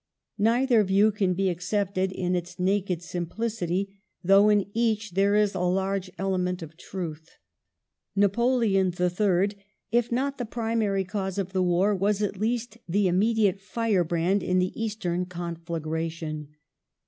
Neither view can be accepted in its naked simplicity, though in each there is a large element of truth. Napoleon III., if not the primary cause of the war, was at least the immediate firebrand in the Eastern conflagration.